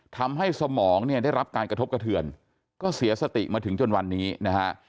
สมองเนี่ยได้รับการกระทบกระเทือนก็เสียสติมาถึงจนวันนี้นะฮะ